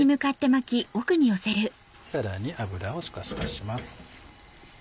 さらに油を少し足します。